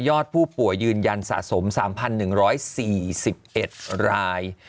อดผู้ป่วยยืนยันสะสม๓๑๔๑ราย